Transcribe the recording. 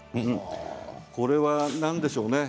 これはなんでしょうね